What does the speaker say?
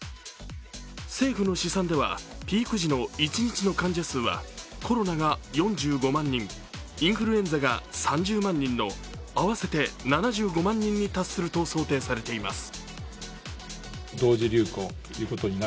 政府の試算ではピーク時の一日の患者数はコロナが４５万人インフルエンザが３０万人の合わせて７５万人に達すると想定されています。